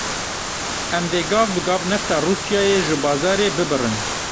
Em dê gav bi gav nefta Rûsyayê ji bazarê bibirin.